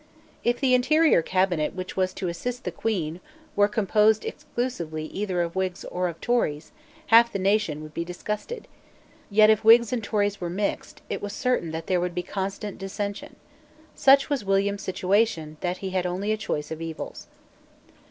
If the interior cabinet which was to assist the Queen were composed exclusively either of Whigs or of Tories, half the nation would be disgusted. Yet, if Whigs and Tories were mixed, it was certain that there would be constant dissension. Such was William's situation that he had only a choice of evils.